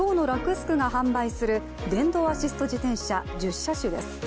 スクが販売する電動アシスト自転車、１０車種です。